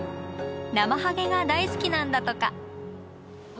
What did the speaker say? ナマハゲが大好きなんだとか。